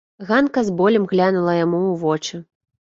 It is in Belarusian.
Ганка з болем глянула яму ў вочы.